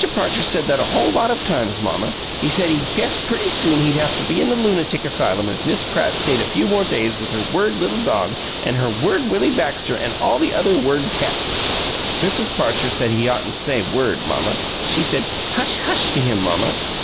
Parcher said that a whole lot of times, mamma. He said he guess' pretty soon he'd haf to be in the lunatic asylum if Miss Pratt stayed a few more days with her word little dog an' her word Willie Baxter an' all the other word calfs. Mrs. Parcher said he oughtn't to say 'word,' mamma. She said, 'Hush, hush!' to him, mamma.